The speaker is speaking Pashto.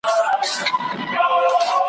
پرواز په پردي وزر ,